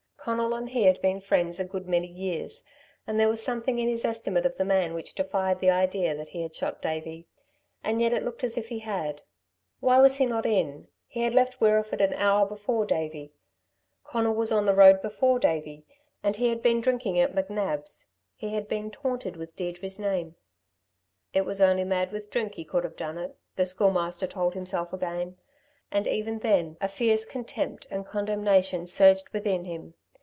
Conal and he had been friends a good many years, and there was something in his estimate of the man which defied the idea that he had shot Davey. And yet it looked as if he had. Why was he not in? He had left Wirreeford an hour before Davey. Conal was on the road before Davey. And he had been drinking at McNab's. He had been taunted with Deirdre's name. "It was only mad with drink he could have done it," the Schoolmaster told himself again. And even then a fierce contempt and condemnation surged within him.